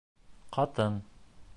Ҡатын.